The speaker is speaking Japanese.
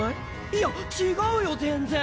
いや違うよ全然！